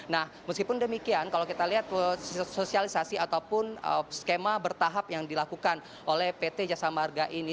nah meskipun demikian kalau kita lihat sosialisasi ataupun skema bertahap yang dilakukan oleh pt jasa marga ini